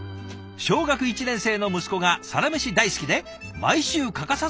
「小学１年生の息子が『サラメシ』大好きで毎週欠かさず見ています。